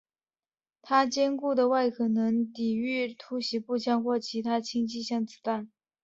他坚固的外壳能抵御突袭步枪或者其他轻机枪的子弹。